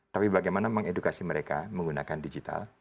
tapi bagaimana mengedukasi mereka menggunakan digital